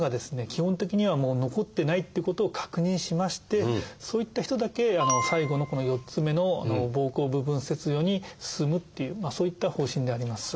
基本的にはもう残ってないっていうことを確認しましてそういった人だけ最後のこの４つ目の「膀胱部分切除」に進むっていうそういった方針であります。